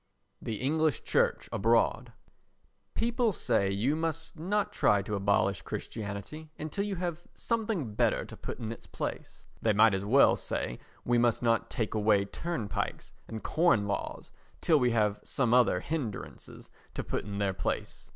The English Church Abroad People say you must not try to abolish Christianity until you have something better to put in its place. They might as well say we must not take away turnpikes and corn laws till we have some other hindrances to put in their place.